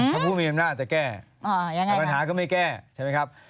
ถ้าผู้มีอำนาจจะแก้ยังไงปัญหาก็ไม่แก้ใช่ไหมครับ